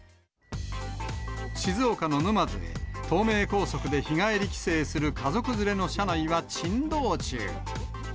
静岡の沼津へ、東名高速で日帰り帰省する家族連れの車内は珍道中。